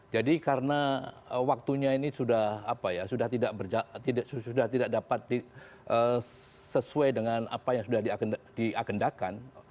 jadi karena waktunya ini sudah tidak dapat sesuai dengan apa yang sudah diakendakan